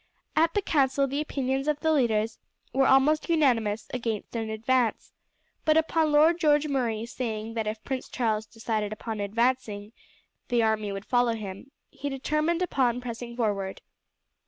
At the council the opinions of the leaders were almost unanimous against an advance, but upon Lord George Murray saying that if Prince Charles decided upon advancing the army would follow him, he determined upon pressing forward.